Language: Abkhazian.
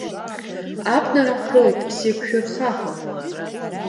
Абнара ҳәҳәоит сеиқәшәырха ҳәа.